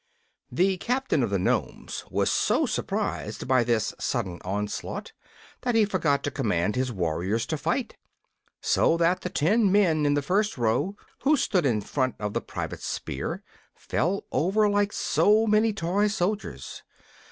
The captain of the Nomes was so surprised by this sudden onslaught that he forgot to command his warriors to fight, so that the ten men in the first row, who stood in front of the private's spear, fell over like so many toy soldiers.